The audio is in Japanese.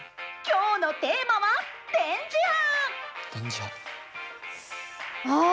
「今日のテーマは『電磁波』！」。